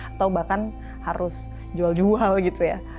atau bahkan harus jual jual gitu ya